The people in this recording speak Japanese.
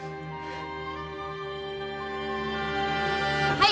はい！